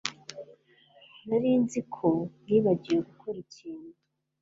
Nari nzi ko nibagiwe gukora ikintu